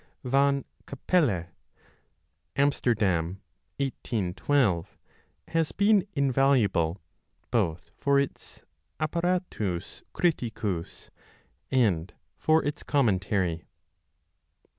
P. van Capelle (Amster dam, 1812) has been invaluable both for its apparatus criticus and for its commentary.